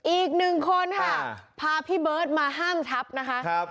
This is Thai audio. อีกหนึ่งคนค่ะพาพี่เบิร์ตมาห้ามทับนะคะ